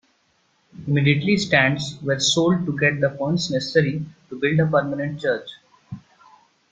Immediately stands were sold to get the funds necessary to build a permanent church.